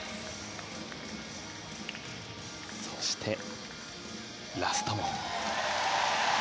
そして、ラストも。